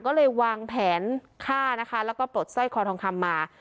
ก็เลยวางแผนฆ่านะคะแล้วก็ปลดสร้อยคอทองคำมา